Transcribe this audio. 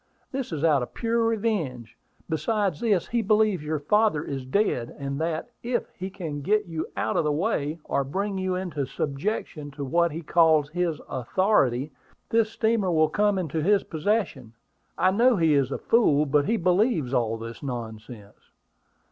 This is out of pure revenge. Besides this, he believes your father is dead, and that, if he can get you out of the way, or bring you into subjection to what he calls his authority, this steamer will come into his possession. I know he is a fool; but he believes all this nonsense."